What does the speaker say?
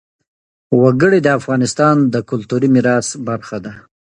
وګړي د افغانستان د کلتوري میراث برخه ده.